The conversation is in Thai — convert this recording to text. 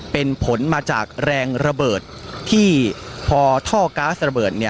เป็นผลมาจากแรงระเบิดที่พอท่อก๊าซระเบิด